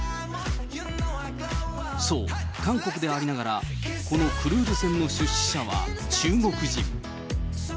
そう、韓国でありながら、このクルーズ船の出資者は中国人。